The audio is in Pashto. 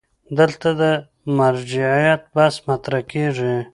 دلته د مرجعیت بحث مطرح کېږي.